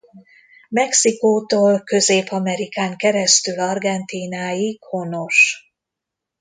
Mexikótól Közép-Amerikán keresztül Argentínáig honos.